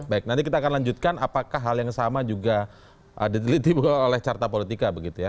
baik nanti kita akan lanjutkan apakah hal yang sama juga diteliti oleh carta politika begitu ya